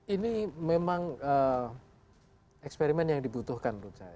ini memang eksperimen yang dibutuhkan menurut saya